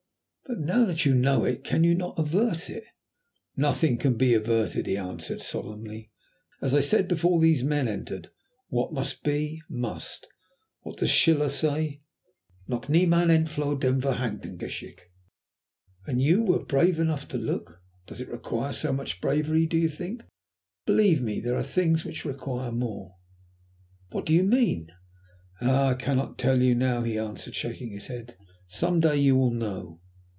"But now that you know it, can you not avert it?" "Nothing can be averted," he answered solemnly. "As I said before these men entered, what must be, must. What does Schiller say? 'Noch niemand entfloh dem verhangten Geschick.'" "And you were brave enough to look?" "Does it require so much bravery, do you think? Believe me, there are things which require more." "What do you mean?" "Ah! I cannot tell you now," he answered, shaking his head. "Some day you will know."